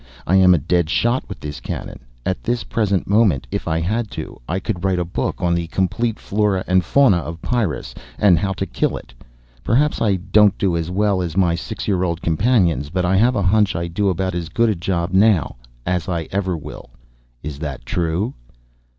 I am a dead shot with this cannon. At this present moment, if I had to, I could write a book on the Complete Flora and Fauna of Pyrrus, and How to Kill It. Perhaps I don't do as well as my six year old companions, but I have a hunch I do about as good a job now as I ever will. Is that true?"